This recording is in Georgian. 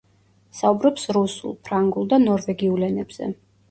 საუბრობს რუსულ, ფრანგულ და ნორვეგიულ ენებზე.